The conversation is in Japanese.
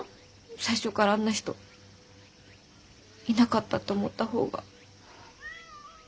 最初からあんな人いなかったと思った方が。